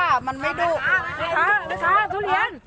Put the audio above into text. เราไม่เคยได้ใกล้ชิดขนาดนี้เจอเราวิ่งอย่างเดียว